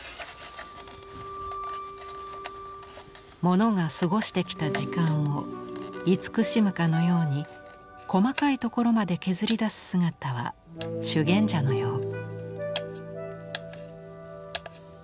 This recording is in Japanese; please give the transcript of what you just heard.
モノが過ごしてきた時間を慈しむかのように細かいところまで削り出す姿は修験者のよう。